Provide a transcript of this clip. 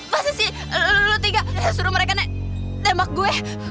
pasti sih lo tiga suruh mereka nembak gue